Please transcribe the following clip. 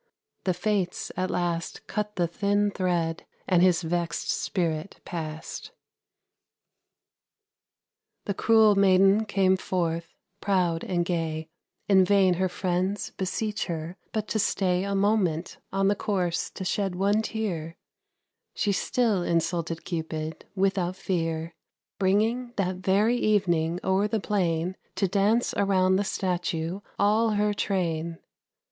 '" The Fates at last Cut the thin thread, and his vexed spirit passed. The cruel maiden came forth, proud and gay: In vain her friends beseech her but to stay A moment, on the course to shed one tear; She still insulted Cupid, without fear: Bringing that very evening o'er the plain, To dance around the statue, all her train.